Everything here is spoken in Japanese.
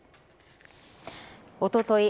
おととい